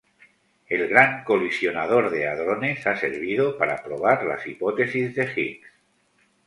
El Gran Colisionador de Hadrones ha servido para probar las hipótesis de Higgs.